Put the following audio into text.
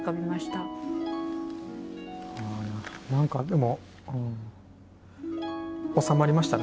何かでも収まりましたね。